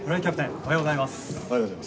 おはようございます。